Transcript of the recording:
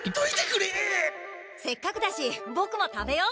せっかくだしボクも食べよう。